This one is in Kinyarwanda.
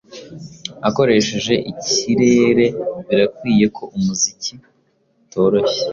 akoresheje ikirerebirakwiye ko umuziki utoroshye